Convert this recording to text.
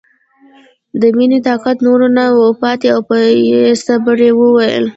د مینې طاقت نور نه و پاتې او په بې صبرۍ یې وویل